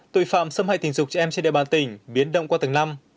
tội phạm xâm hại tình dục trẻ em trên địa bàn tỉnh biến động qua từng năm